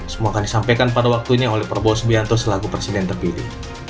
semua akan disampaikan pada waktunya oleh prabowo subianto selaku presiden terpilih